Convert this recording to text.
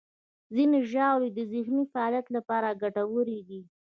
ځینې ژاولې د ذهني فعالیت لپاره ګټورې دي.